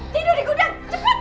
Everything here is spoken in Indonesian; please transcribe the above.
tidur di gudang